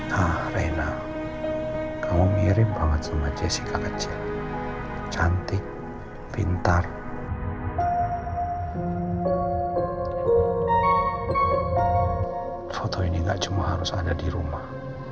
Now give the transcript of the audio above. foto ini gak cuma harus ada di rumah